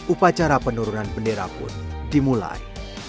upacara penurunan bendera pun dimulai